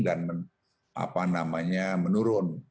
dan apa namanya menurun